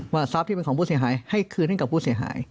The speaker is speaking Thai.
ทรัพย์ที่เป็นของผู้เสียหายให้คืนให้กับผู้เสียหาย